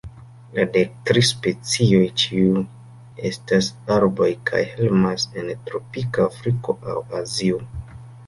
La dek tri specioj ĉiuj estas arboj, kaj hejmas en tropika Afriko aŭ Azio.